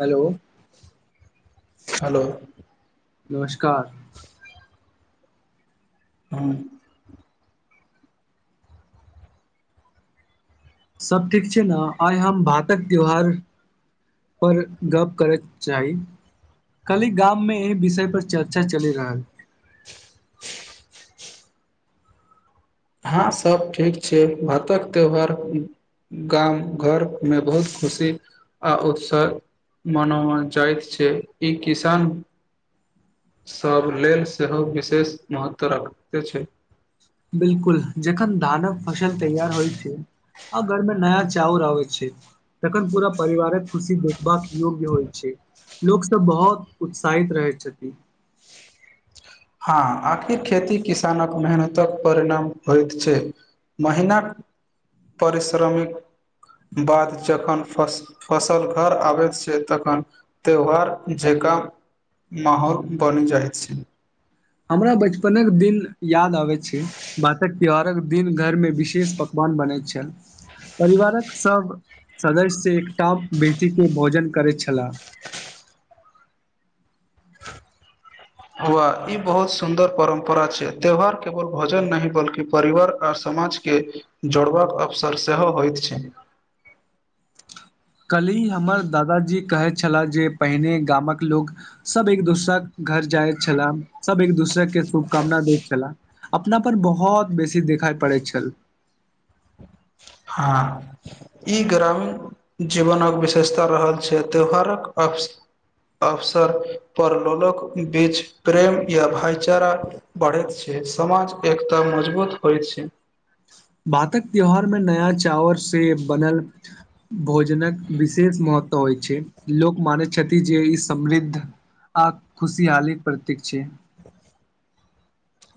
hello hello नमस्कार [inaudible] हँ सभ ठीक छै ने आइ हम भारतक त्यौहार पर गप करय चाही काल्हि गाम में एहि विषय पर चर्चा चलि रहल हँ सब ठीक छै भारतक त्यौहार गाम घरमे बहुत खुशी आ उत्साह मनाओल जाइत छै ई किसान सभ लेल सेहो विशेष महत्व रखैते छै बिलकुल जखन धानक फसल तैयार होइ छै आ घरमे नया चाउर आबय छै तखन पूरा परिवारक खुशी देखबाक योग्य होइ छै लोकसभ बहुत उत्साहित रहै छथिन हँ आखिर खेती किसानक मेहनतक परिणाम होइत छै महिनाक परिश्रमिक बाद जखन फस फसल घर आबैत छै तखन त्यौहार जे का माहौल बने जाइत छै हमरा बचपनक के दिन याद आबे छै भातक त्योहारक दिन घर में विशेष पकवान बनैत छै परिवारक सब सदस्य से एकटाप बेटी के भोजन करैत छलाह हुआ ई बहुत सुन्दर परम्परा छै त्यौहार केवल भोजन नहि बल्कि परिवार आर स समाज के जोड़बाक अवसर सेहो होइत छै [inaudible] काल्हि हमर दादाजी कहै छला जे पहिने गामक लोक सब एक दोसरा घर जाय छलाह सब एक दूसराे के शुभकामना दैत छलाह अपना पर बहुत बेसी देख पड़ैत छल हँ ई ग्रामीण जीवनक विशेषता रहल छै त्यौहारक अव अवसर पर लोकक बीच प्रेम या भाईचारा बढ़ैत छै समाज एकता मजबूत होइ छै भातक त्यौहार मे नया चावर से बनल भोज जनक विशेष महत्व होइ छै लोक मानै छथि जे ई समृद्ध आ खुशी हाली प्रतीक छै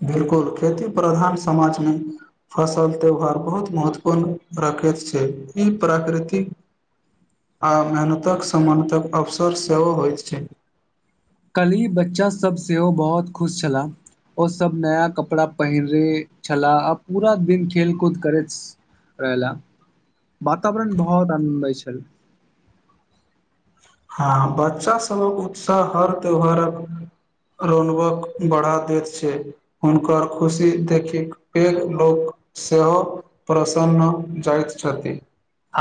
बिलकुल खेती प्रधान समाज मे फसल त्योहार बहुत महत्वपूर्ण रखे छै ई प्राकृतिक आ मेहनतक समानतक अवसर सेहो होइत छै कल्ही बच्चासभ सेहो बहुत खुश छलाह ओ सब नया कपड़ा पहिरे छलाह आ पूरा दिन खेल कूद करैत रहयला वातावरण बहुत आनन्दमय छल हँ बच्चा सबक उत्साह हर त्यौहारक रोनबक बढ़ा दैत छै हुनकर खुशी देखिक पैघ लोक सेहो प्रसन्न जाइत छथि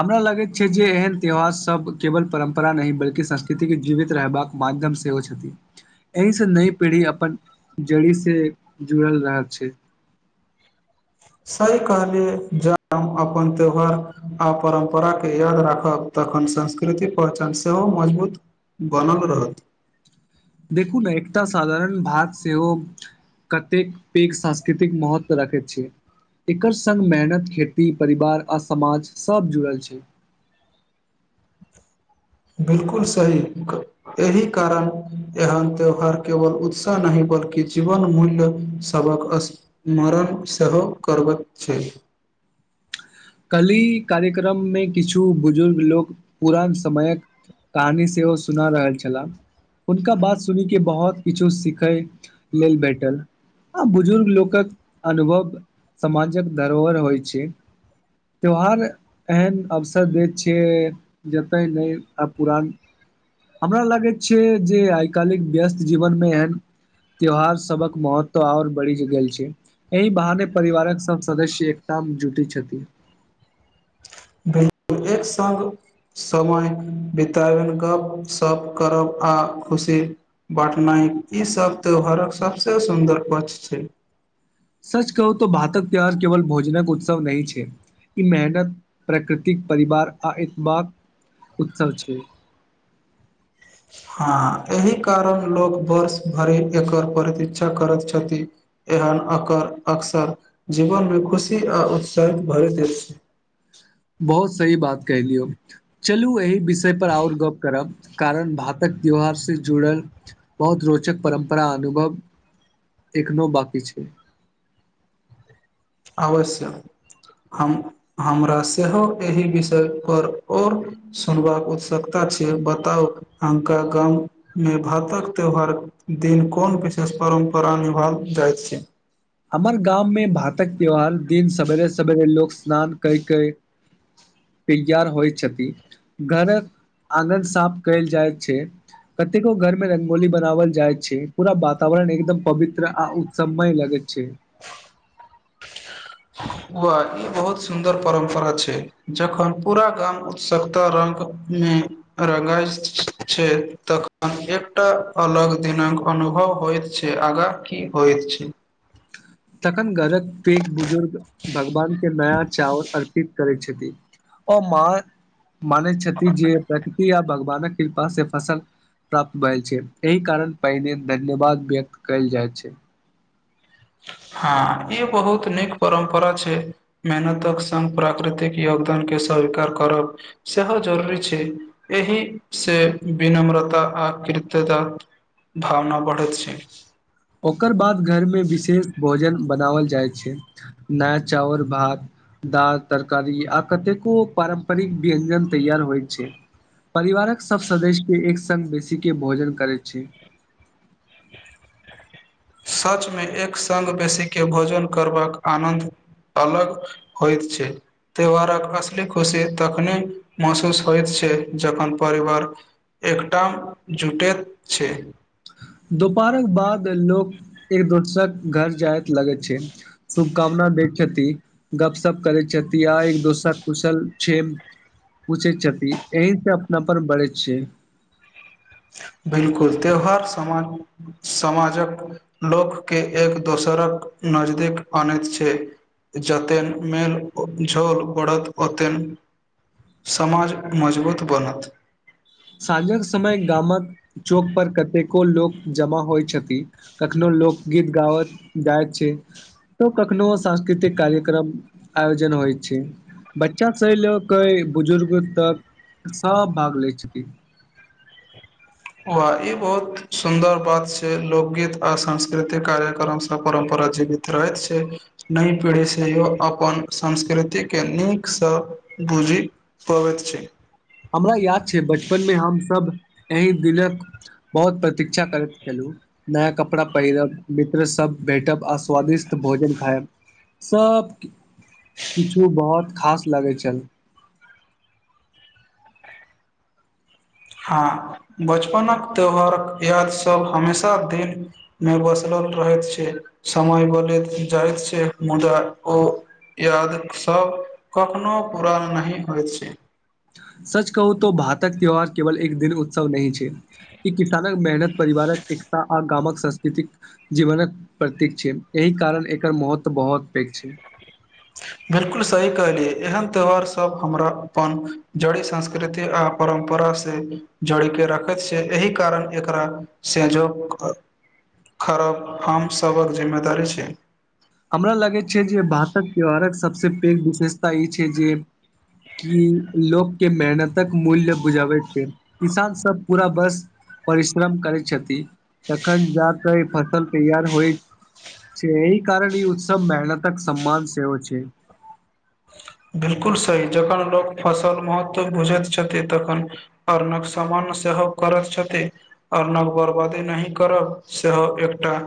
हमरा लागैत छै जे एहेन त्योहार सब केवल परम्परा नहि बल्कि संस्कृतिक के जीवित रहबाक माध्यम से सेहो छथि एहिसँ नई पीढ़ी अपन जड़ी से जुड़ल रहल छै सही कहलियै ज हम अपन त्योहार आ परम्परा के याद राखब तखन संस्कृति पहचान सेहो मजबूत बनल रहत देखू ने एकटा साधारण भात सेहो कतेक पैघ सांस्कृतिक महत्व राखैत छय एकर संग मेहनत खेती परिवार आ समाज सभ जुड़ल छै बिलकुल सही एहि कारण एहन त्यौहार केवल उत्साह नहि बल्कि जीवन मूल्य सभक स्मरण सेहो करबैत छै कलही कार्यक्रममे किछु बुजुर्ग लोक पुरान समयक कहानी सेहो सुना रहल छला हुनका बात सुनी के बहुत किछु सिखय लेल भेटल आ बुजुर्ग लोकक अनुभव समाजक धरोहर होइ छै त्यौहार एहन अवसर दैत छियै जतय नइ आ पुरान हमरा लागैत छै जे आइ कालिक व्यस्त जीवनमे एहन त्यौहार सबक महत्व आओर बढ़ि गेल छै एहि बहाने परिवारक सब सदस्य एकटा आम जुटैत छथि भेल एक सङ्ग समय बितबनि गपशप करब आ खुशी बटनाइ ईसभ त्यौहारक सभसँ सुन्दर पक्ष छै सच कहू त भातक प्यार केवल भोजनक उत्सव नहि छै ई मेहनत प्रकृतिक परिवार आ एक बाद उत्सव छै हँ एहि कारण लोक वर्ष भरि एकर प्रतीक्षा करैत छथिन एहन अकर अक्सर जीवन मे खुशी आ उत्साहित भरैत अछि हु सही बात कहहि लियौ चलू एहि विषय पर आओर गप करब कारण भातक त्यौोहार से जुड़ल बहुत रोचक परम्परा अनुभव एखनो बाकी छै अवश्य हम हमरा सेहो एहि विषय पर और सुनबाक उत्सुकता छै बताउ हका गावमे भातक त्यौहार दिन कोन विशेषता परम्परा निभाय जाइत छै हमर गामवमे भातक त्योहार दिन सवेरे सवेरे लोक स्नान कय कय तैयर होइ छथि घरक आगन साफ कयल जाइ छै कतेको घर में रंगोली बनावल जाय छै पूरा वातावरण एकदम पवित्र आ उत्सवमय लगे छै वाह ई बहुत सुन्दर परम्परा छै जखन पूरा गाम उत्सुकता रंग मे रंगइत छै तखन एकटा अलग दिनक अनु उभव होइत छै आगा की होइत छै तखन घरक पैग बुजुर्ग भगवान के नया चाउर अर्पि त करै छथि ओ मान छथि जे प्रकृति भगवानक कृपा से फसल प्राप्त भेल छै एहि कारण पहिने धन्यवाद व्यक्त कयल जाय छै हँ ई बहुत नीक परम्परा छै मेहनतक संग प्राकृतिक यो दान के स्वीकार करब सेहो जरूरी छै एहि से विनम्रता आ कृतता भावना बढ़ैत छै ओकर बाद घरमे विशे शेष भोजन बनावल जाइ छै नया चावल भात दाल तरकारी आ कतेको पारम्परिक व्यञ्जन तैयार होइ छै परिवारक सभ सदस्यके एक संग बेसीे के भोजन करै छै [inaudible] सचमे एक संग बेसीके भोजन करबाक आनन्द अलग होइत छै त्यौहारक असली खुशी तखने महसूस होइत छै जखन परिवार एकटाम जुटेत छै [inaudible] दुपहरक बाद लोग एक दोसर घर जायत लगे छै शुभकामना दे छथि गपशप करै छथि आ एक दोसर कुशल छेम पूछै छथि एहिसँ अपनापन बढ़ैत छै बिलकुल त्यौहार समाजक लोकके एक दोसर रक नजदीक अनैत छै जतेन मेेल झोल बढ़त ओतेन समाज मजबूत बनत साँझक समय गामक चौक पर कतेको लोक जमा होइ छथिन कखनो लोक गीत गाबत जायत छै त कखनो सांस्कृतिक कार्यक्रम आयोजन होइ छै बच्चा स लऽ क बुजुर्ग तक सभ भाग लै छथि वाह ई बहुत सुन्दर बात छै लोकगीत आ सांस्कृतिक कार्यक्रम सब परम्परा जीवित रहैत छै नइ पीढ़ी सेहो अपन संस्कृति के नीकसँ बुझी पबैत छी हमरा याद छै बचपनमे हमसभ एहि दिनक बहुत प्रतीक्षा करैत छलु नया कपड़ा पहिरब मित्र सब बैठब आस्वादिष्ट भोजन खायब सब किछु बहुत खास लगैत छल हँ बचपनक त्यौहारक यादसभ हमेशा दिलमे बसलहु रहैत छै समय बदलैत जाइत छै मुदा ओ यादसभ कखनो पूरा नहि होइत छै सच कहू त भातक त्यौहार केवल एक दिन उत्सव नहि छै किसानक मेहनत परिवारक एकता आ गामक संस्कृतिक जीवनक प्रतीक छै एहि कारण एकर महत्व बहुत पैघ छै बिलकुल सही कहलियै एहन त्योहार सब हमरा अपन जड़ी संस्कृति आ परम्प परा से जोड़ के रखैत छै एहि कारण एकरा सजो खरब हम सभक जिम्मेदारी छी हमरा लागैत छै जे भातक त्यौहारक सभसँ पैघ विशेषता ई छै जे कि लोकके मेहनतक मूल्य बुझाबै छै किसान सब पूरा बस परिश्रम करै छथि तखन जा क इ फसल तैयार होइ छै एहि कारण ई उत्सव मेहनतक सम्मान सेहो छै बिलकुल सही जखन लोक फसल महत्व बुझैत छथिन तखन अर्नक सामान सेहो करैत छथि आर नव बर्बादी नहि करब सेहो एकटा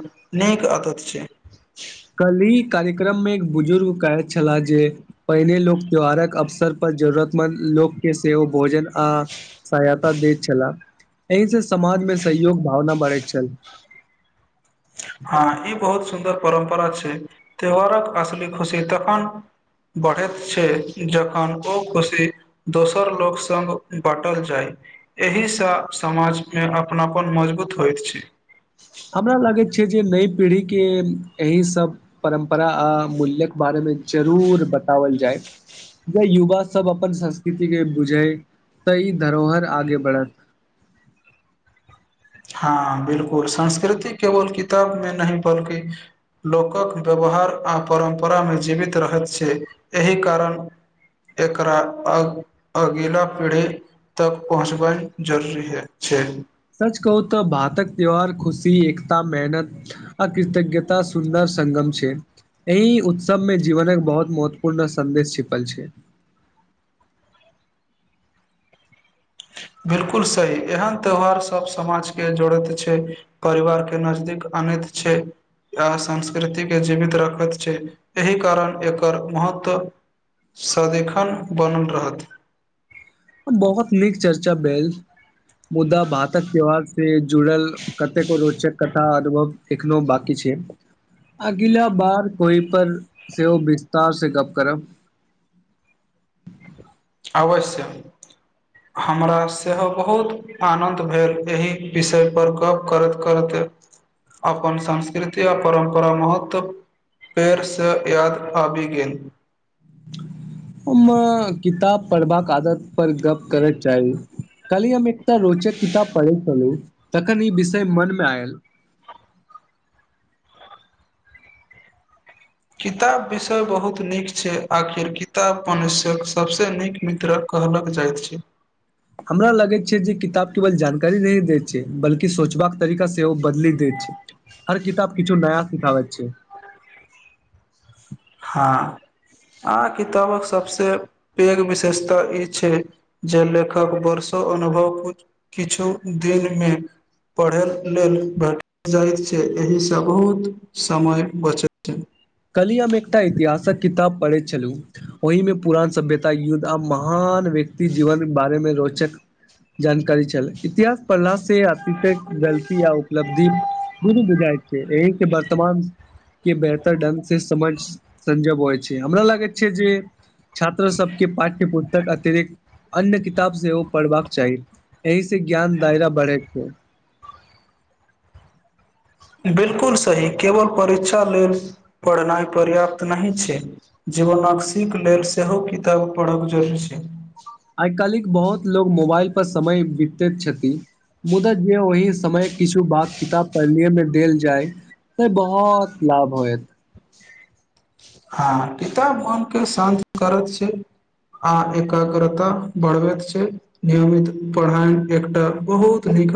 नीक आदत छै कली कार्यक्रम मे एक बुजुर्ग कहैत छलाह जे पहिने लोक त्यौहारक अवसर पर जरूरतमन्द लोकके सेहो ओ भोजन आ साय ता दैत छलाह एहि से समाज मे सहयोग भावना बढ़ैत छल हँ ई बहुत सुन्दर परम्परा छै त्यौहारक असली खुशी तखन बढ़ैत छै जखन ओ खुशी दोसर लोक सङ्ग बाँटल जाय एहिसँ समाजमे अपनापन मजबूत होइत छै हमरा लागैत छै जे नई पीढ़ीके एहि सब परम्परा आ मूल्यके बारेमे मे जरूर बताओल जाय जे युवा सब अपन संस्कृति के बुझै त ई धरोहर आगे बढ़त हँ बिलकुल संस्कृति केवल किताब में नहि बल्कि लोकक व्यवहार आ परम्परामे जीवित रहैत छै एहि कारण एकरा अगिला पीढ़ी तक पहुँचबइ जरूरी ह छै सच कहू तऽ भातक त्यौहार खुशी एकता मेहनत अ कृतज्ञता सुन्दर संगम छै एहिही उत्सवमें जीवनक बहुत महत्वपूर्ण संदेश छिपल छै ह [inaudible] बिलकुल सी एहन त्यौहार सब समाज के जोड़ैत छै परिवार के नजदीक अने छै आ संस्कृतिके जीवित रखैत छै एहि कारण एकर महत्व सदिखन बनल रहत बहुत नीक चर्चा भैल मुदा भातक त्यौहार से जुड़ल कतेको रोचक कथा अनुभव एखनो बकी छै छै अगिला बार कोई पर सेहो ओ विस्तार से गप करब [inaudible] आवश्य हमरा सेहो बहुत आनन्द भेल एहि विषय पर गप करैत करैत अपन संस्कृति आ परम्परा महत्व पेरसँ याद आबी गेल हमा किताब पढ़बाक आदत पर गप करय चाही कहली हम एक टा रोचक किताब पढ़ै छललू तखन ई विषय मनमे आयल किताब विषय बहुत नीक छै आखिर किताब पनुष्यक सभस नीक मित्रक कहलक जाइत छै हमरा लगैत छै जे किताब केवल जानकारी नहि दै छै बल्कि सोचबाक तरीका से ओ बदली द छै हर किताब किछु नया सिखाबैत छै हँ आ किताबक सबस पैघ विशेषता ई छै जे लेखक बरसो अनुभव किछु दिनमे पढ़य लेल भेट जाइत छै एहिसँ बहुत समय बचैत छै कली हममे एकटा इतिहासक किताब पढ़ैत छलू ओहिमे पुरान सभ्यता युद्ध आ महान व्यक्ति जीवन बारेमे रोचक जानकारी चल इतिहास पढ़ला से तक गलती आ उपलब्धि दूनु बुझाइत छै एहिसँ वर्तमान के बेहतर ढंग से समझ संजब होइ छै हमरा लागै छै जे छात्र सबके पाठ्य पुस्तक अतिरिक्त अन्य किताब से ओ पढ़बाक चाही एहि से ज्ञान दायरा बढ़े छै बिलकुल सही केवल परीक्षा लेल पढ़नाइ पर्याप्त नाहि छै जीवनाक्षीक लेल सेहो किताब पढ़क जरूरी छै आइ काल्हि बहुत लोकोग मोबाइल परर समय बितैत छथिन मुदा जे ओहि समय किछु बाग किताब पढ़लिय मे देल जाय नहि बहुत लाभ होयत हँ किताब मोनके शान्त करत छै आ एकाग्रता बढ़बैत छै नियमित पढ़ाइ एकटा बहुत नीक